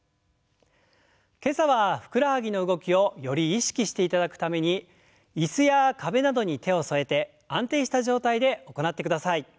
今朝はふくらはぎの動きをより意識していただくために椅子や壁などに手を添えて安定した状態で行ってください。